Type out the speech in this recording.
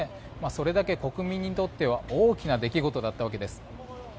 それだけ国民にとっては大きな出来事だったわけです。